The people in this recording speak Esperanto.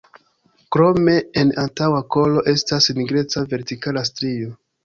Krome en antaŭa kolo estas nigreca vertikala strio.